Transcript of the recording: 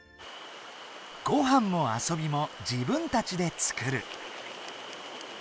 ごはんも遊びも自分たちで作る。